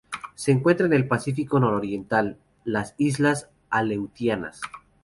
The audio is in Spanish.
Se encuentra en el Pacífico nororiental: las Islas Aleutianas.